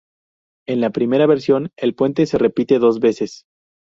En la primera versión el puente se repite dos veces.